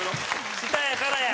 下やからや。